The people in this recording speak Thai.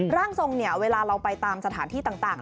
ร่างทรงเวลาเราไปตามสถานที่ต่าง